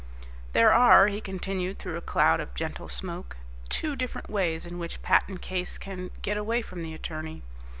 "There are," he continued through a cloud of gentle smoke, "two different ways in which a patent case can get away from the attorney.